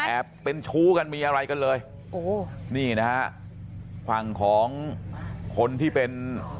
เป็นชู้กันมีอะไรกันเลยโอ้นี่นะฮะฝั่งของคนที่เป็น